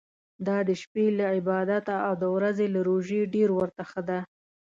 دا د شپې له عبادته او د ورځي له روژې ډېر ورته ښه ده.